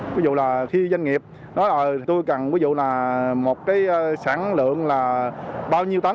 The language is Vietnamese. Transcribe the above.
ví dụ là khi doanh nghiệp nói là tôi cần một sản lượng là bao nhiêu tấn